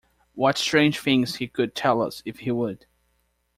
What strange things he could tell us if he would!